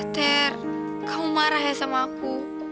ter kau marah ya sama aku